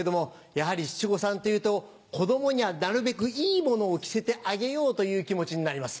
やはり七五三というと子供にはなるべくいいものを着せてあげようという気持ちになります